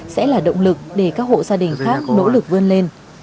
sẽ là động lực để các hộ gia đình khác nỗ lực vươn lên